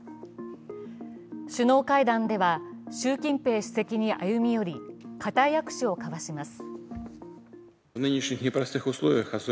首脳会談では習近平主席に歩み寄りかたい握手をかわします。